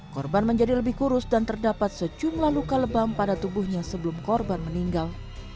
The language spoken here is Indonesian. korban menjadi lebih kurus dan terdapat sejumlah luka lebam pada tubuhnya sebelum korban meninggal